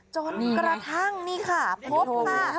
จนกระทั่งนี่ค่ะพบค่ะ